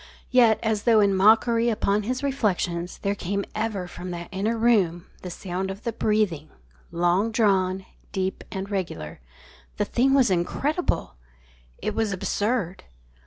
_ Yet, as though in mockery upon his reflections, there came ever from that inner room the sound of the breathing, long drawn, deep, and regular. The thing was incredible. It was absurd.